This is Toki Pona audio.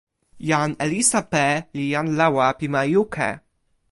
jan Elisape li jan lawa pi ma Juke.